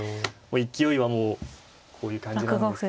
勢いはもうこういう感じなんですかね。